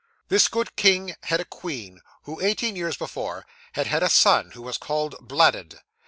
'This good king had a queen, who eighteen years before, had had a son, who was called Bladud.